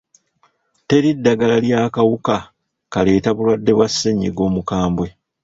Teri ddagala ly'akawuka kaleeta bulwadde bwa ssenyiga omukambwe.